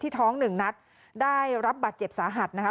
ที่ท้อง๑นัดได้รับบาดเจ็บสาหัสนะคะ